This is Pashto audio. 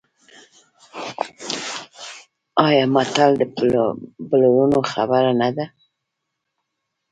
آیا متل د پلرونو خبره نه ده؟